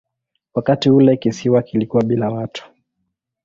Wakati ule kisiwa kilikuwa bila watu.